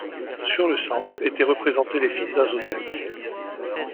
Sur le centre étaient représentés les signes d'un zodiaque.